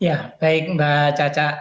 ya baik mbak caca